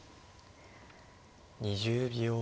２０秒。